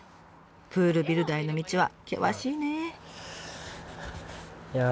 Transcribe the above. プールビルダーへの道は険しいね。